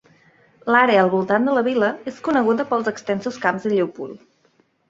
L'àrea al voltant de la vila és coneguda pels extensos camps de llúpol.